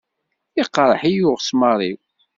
Iqṛeḥ-iyi uɣesmaṛ-iw.